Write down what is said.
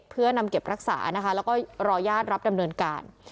เพื่อนำเก็บรักษานะคะแล้วก็รอญาติรับดำเนินการ